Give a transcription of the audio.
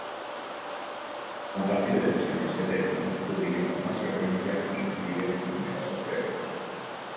A partir de los años setenta, publica con más frecuencia y recibe numerosos premios.